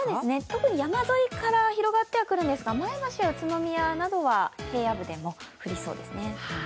特に山沿いから広がってくるんですが、前橋や宇都宮などは平野部でも降りそうですね。